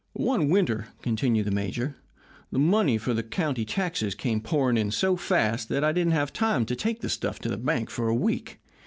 "One winter," continued the major, "the money for the county taxes came pouring in so fast that I didn't have time to take the stuff to the bank for a week.